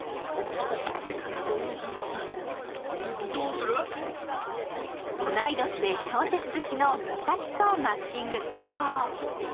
どうするってどうする？にか同い年で小説好きの美咲とマッチング成功。